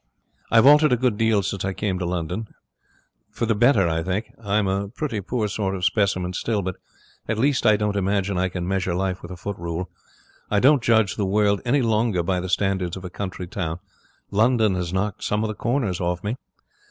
I've altered a good deal since I came to London. For the better, I think. I'm a pretty poor sort of specimen still, but at least I don't imagine I can measure life with a foot rule. I don't judge the world any longer by the standards of a country town. London has knocked some of the corners off me.